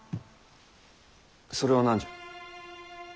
それは何じゃ？